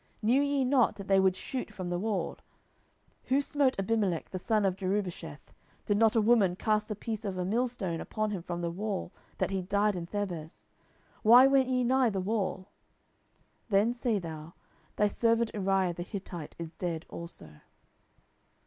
knew ye not that they would shoot from the wall? 10:011:021 Who smote Abimelech the son of Jerubbesheth? did not a woman cast a piece of a millstone upon him from the wall, that he died in Thebez? why went ye nigh the wall? then say thou, Thy servant Uriah the Hittite is dead also.